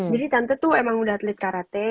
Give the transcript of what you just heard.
jadi tante tuh emang udah atlet karate